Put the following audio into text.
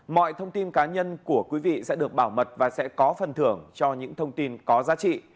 mọi thông tin cá nhân của quý vị sẽ được bảo mật và sẽ có phần thưởng cho những thông tin có giá trị